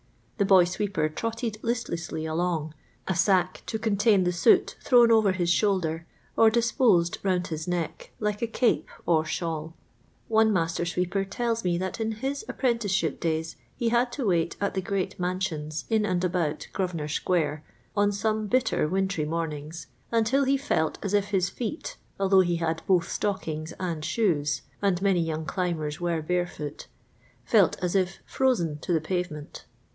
The boy sweeper trotted listlessly along; a sack to contain the soot thrown over his shoulder, or disposed round his neck, like n cape or shawl. Hue master sweeper tells me that in his appren ticeship days he had to wait at the great man sions in and about Grosvenorsquare, on some bitter wintry mornings, until he felt as if his feet, although he had both stockings and shoes and many young climbers were bareloot — felt as if frozen to the lavemont.